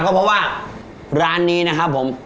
เพราะว่าร้านนี้นะครับผม